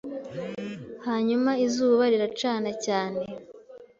Hanyuma izuba riracana cyane